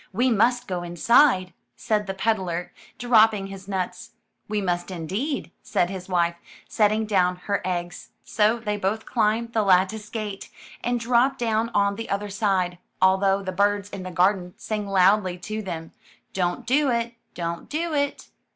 '*We must go inside," said the peddler, dropping his nuts. *'We must indeed,'' said his wife, setting down her eggs. So they both climbed the lattice gate, and dropped down on the other side, although the birds in the garden sang loudly to them, *' Don't do it. Don't do it."